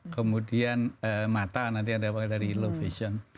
kemudian mata nanti ada dari low fashion